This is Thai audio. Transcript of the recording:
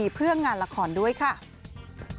พร้อมกับเผยถึงเรื่องที่จะตรวจเตรียมลดหุ่นให้ดูดี